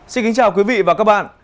xin kính chào quý vị và các bạn